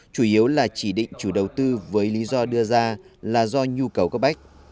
chủ yếu là chỉ định chủ đầu tư với lý do đưa ra là do nhu cầu cấp bách